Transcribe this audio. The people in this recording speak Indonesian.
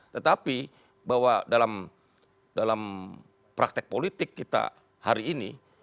tetapi bahwa dalam praktek politik kita hari ini